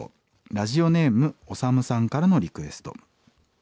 ラジオネームオサムさんからのリクエスト。